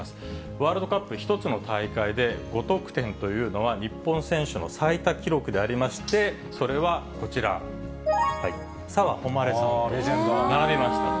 ワールドカップ１つの大会で５得点というのは、日本選手の最多記録でありまして、それはこちら、澤穂希さんと並びました。